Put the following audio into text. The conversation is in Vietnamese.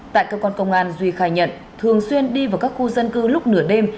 tại cơ quan công an duy khai nhận thường xuyên đi vào các khu dân cư lúc nửa đêm